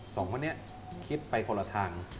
สองคนนี้คิดไปคนละทาง